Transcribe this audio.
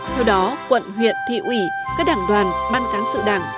theo đó quận huyện thị ủy các đảng đoàn ban cán sự đảng